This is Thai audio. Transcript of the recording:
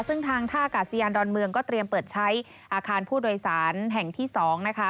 ซึ่งทางท่ากาศยานดอนเมืองก็เตรียมเปิดใช้อาคารผู้โดยสารแห่งที่๒นะคะ